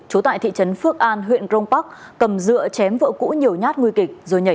trú tại thị trấn phước an huyện grong park cầm dựa chém vợ cũ nhiều nhát nguy kịch